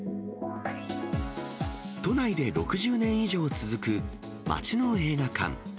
都内で６０年以上続く、街の映画館。